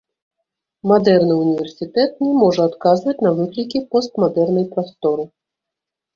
Мадэрны ўніверсітэт не можа адказваць на выклікі постмадэрнай прасторы.